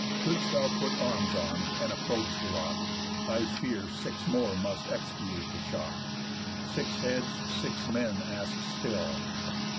Shouldst thou put arms on, and approach the rock, I fear six more must expiate the shock. Six heads six men ask still.